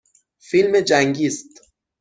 فیلم جنگی است.